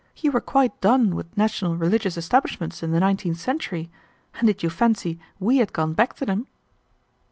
You were quite done with national religious establishments in the nineteenth century, and did you fancy we had gone back to them?"